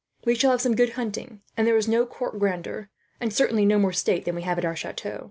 We shall have some good hunting, and there is no court grandeur, and certainly no more state than we have at our chateau.